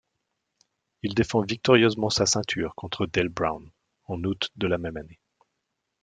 Il défend victorieusement sa ceinture contre Dale Brown en août de la même année.